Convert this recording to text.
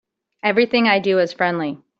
Everything I do is friendly.